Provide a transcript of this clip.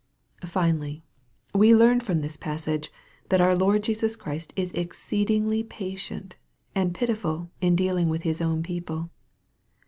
Finally, we learn from this passage, that our Lord Jesus Christ is exceedingly patient and pitiful in dealing with His own people.